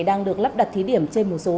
đang được lắp đặt thí điểm trên một số